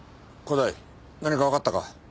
古代何かわかったか？